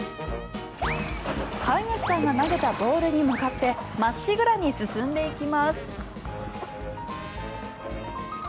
飼い主さんが投げたボールに向かってまっしぐらに進んでいきます。